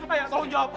ayah tolong jawab